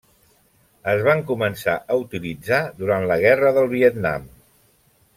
Es va començar a utilitzar durant la Guerra del Vietnam.